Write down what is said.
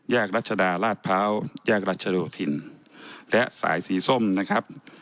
แยกรัชดาราดเภาแยกรัชโดยทินและสายสีส้มนะครับ